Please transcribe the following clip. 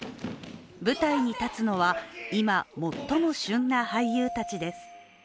舞台に立つのは今最も旬な俳優たちです。